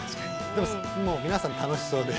でも、皆さん楽しそうで。